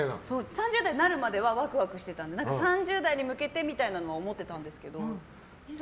３０代になるまではワクワクしてて３０代に向けてみたいなのは思ってたんですけどいざ